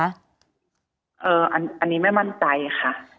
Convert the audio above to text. อันนี้ไม่มั่นใจค่ะ